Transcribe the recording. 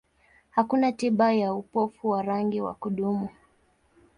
Hakuna tiba ya upofu wa rangi wa kudumu.